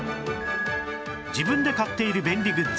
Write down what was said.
自分で買っている便利グッズ